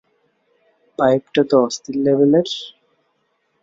পাইপটা তো অস্থির লেভেলের।